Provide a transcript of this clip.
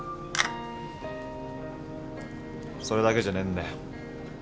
それだけじゃねえんだよ。